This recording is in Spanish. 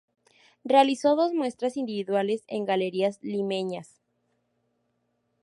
Realizó dos muestras individuales en galerías limeñas.